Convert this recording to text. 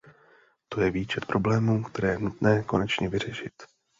To je výčet problémů, které je nutné konečně vyřešit.